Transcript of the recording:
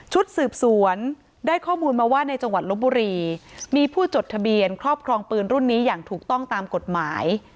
สืบสวนได้ข้อมูลมาว่าในจังหวัดลบบุรีมีผู้จดทะเบียนครอบครองปืนรุ่นนี้อย่างถูกต้องตามกฎหมาย